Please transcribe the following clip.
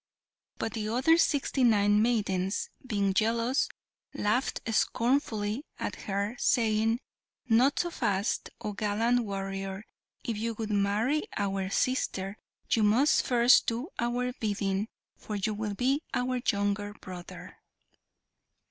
But the other sixty nine maidens, being jealous, laughed scornfully at her, saying, "Not so fast, oh gallant warrior! If you would marry our sister you must first do our bidding, for you will be our younger brother."